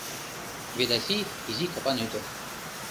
Ведаси — изи капан ӱдыр.